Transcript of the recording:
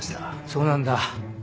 そうなんだ。